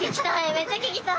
めっちゃ聞きたい！